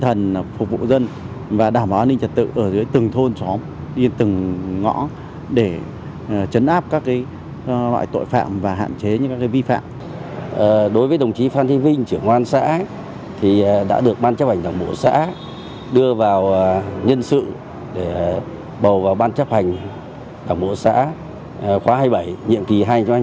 bầu vào ban chấp hành đảng bộ xã khóa hai mươi bảy nhiệm kỳ hai nghìn hai mươi hai nghìn hai mươi năm